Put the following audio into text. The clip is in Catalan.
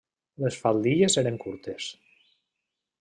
Les faldilles eren curtes.